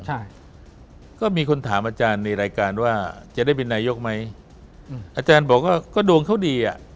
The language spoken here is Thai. ใช่ก็มีคนถามอาจารย์ในรายการว่าจะได้เป็นนายกไหมอืมอาจารย์บอกว่าก็ดวงเขาดีอ่ะ